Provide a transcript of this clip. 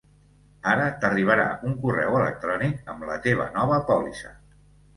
Ara t'arribarà un correu electrònic amb la teva nova pòlissa.